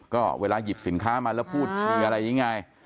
ก็เวลาหยิบสินค้ามาแล้วพูดถึงอะไรง่าย